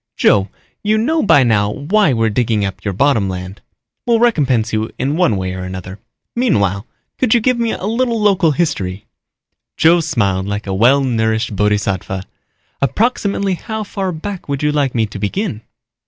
"Joe, you know by now why we're digging up your bottom land. We'll recompense you in one way or another. Meanwhile, could you give me a little local history?" Joe smiled like a well nourished bodhisattva. "Approximately how far back would you like me to begin?"